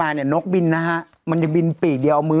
ไม่ไม่ได้เปิดแอร์ด้วย